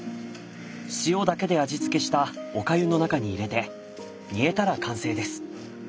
塩だけで味付けしたお粥の中に入れて煮えたら完成です。